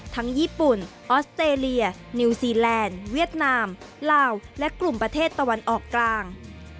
ญี่ปุ่นออสเตรเลียนิวซีแลนด์เวียดนามลาวและกลุ่มประเทศตะวันออกกลาง